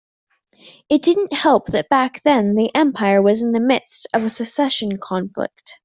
It didn't help that back then the empire was in the midst of a succession conflict.